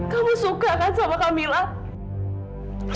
kamu suka kan sama kamila